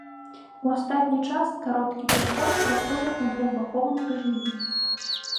У астатні час кароткі пераход працуе ў двухбаковым рэжыме.